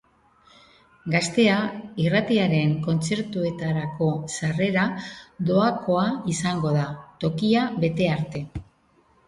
Gaztea irratiaren kontzertuetarako sarrera doakoa izango da, tokia bete arte.